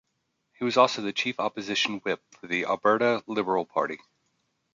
He was also the chief opposition whip for the Alberta Liberal Party.